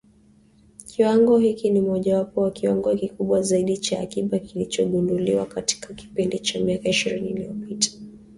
Kiwango hiki ni mojawapo ya kiwango kikubwa zaidi cha akiba kilichogunduliwa katika kipindi cha miaka ishirini iliyopita